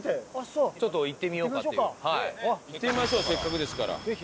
行ってみましょうせっかくですから。